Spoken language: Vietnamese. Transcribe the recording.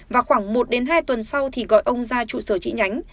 và khoảng một hai tuần sau thì gọi ông ra trụ sở trị nhánh